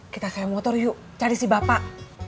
kita kayak motor yuk cari si bapak